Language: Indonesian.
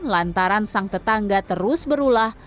lantaran sang tetangga terus berulah